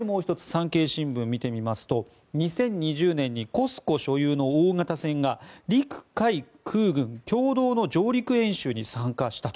そして、もう１つ産経新聞を見てみますと２０２０年にＣＯＳＣＯ所有の大型船が陸海空軍共同の上陸演習に参加したと。